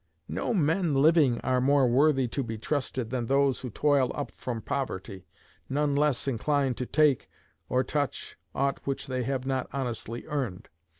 No men living are more worthy to be trusted than those who toil up from poverty none less inclined to take, or touch, aught which they have not honestly earned.